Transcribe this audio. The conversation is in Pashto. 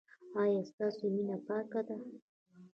ایا ستاسو مینه پاکه ده؟